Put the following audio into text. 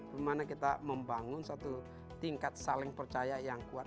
bagaimana kita membangun satu tingkat saling percaya yang kuat